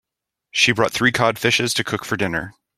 She bought three cod fishes to cook for dinner.